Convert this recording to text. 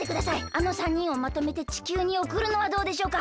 あの３にんをまとめてちきゅうにおくるのはどうでしょうか？